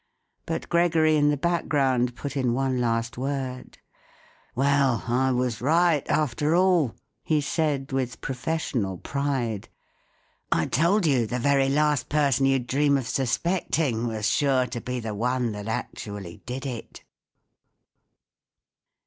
But Gregory in the back¬ ground put in one last word :— "Well, I was right, after all," he said, with professional pride, " I told you the very last person you'd dream of suspecting was sure to be the one that actually did it."